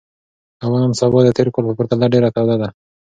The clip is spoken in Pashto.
هوا نن سبا د تېر کال په پرتله ډېره توده ده.